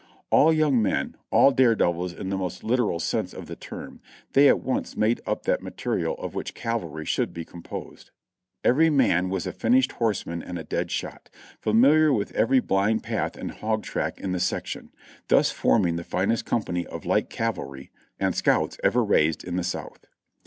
All young men, all dare devils in the most literal sense of the term, they at once made up that material of which cavalry should be composed. Every men was a finished horseman and a dead shot; familiar with every blind path and hog track in the section; thus forming the finest company of light cavalry and scouts ever raised in the South.